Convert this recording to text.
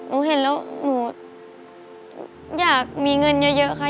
เห็นแล้วหนูอยากมีเงินเยอะค่ะ